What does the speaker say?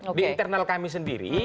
di internal kami sendiri